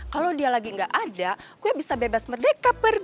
kalo dia lagi gak ada gue bisa bebek bebek aja kan